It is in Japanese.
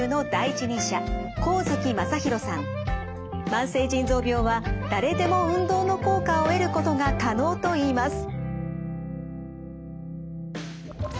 慢性腎臓病は誰でも運動の効果を得ることが可能といいます。